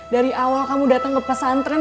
dari awal kamu datang ke pesantren